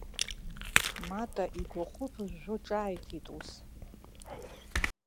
Мата игәахы ԥыжәжәо ҿааиҭит ус.